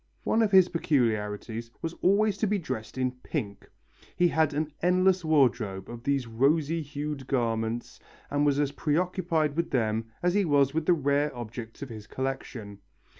One of his peculiarities was always to be dressed in pink. He had an endless wardrobe of these rosy hued garments and was as preoccupied with them as he was with the rare objects of his collection.